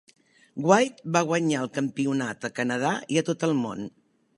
White va guanyar el campionat a Canadà i a tot el món.